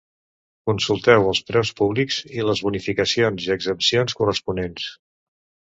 Consulteu els preus públics i les bonificacions i exempcions corresponents.